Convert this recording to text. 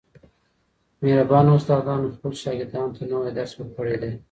مهربانه استادانو خپلو شاګردانو ته نوی درس ورکړی دی.